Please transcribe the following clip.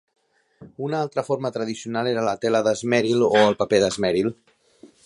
Una altra forma tradicional era la tela d'esmeril o el paper d'esmeril.